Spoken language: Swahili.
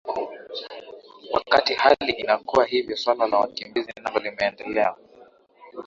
wakati hali inakuwa hivyo suala la wakimbizi nalo limeendelea